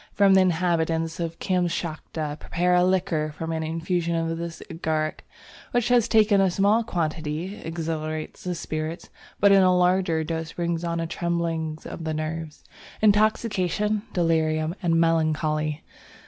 The inhabitants of Kamschatka prepare a liquor from an infusion of this Agaric which taken in a small quantity exhilarates the spirits, but in a larger dose brings on a trembling of the nerves, intoxication, delirium and melancholy.